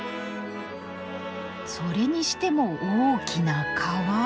それにしても大きな川。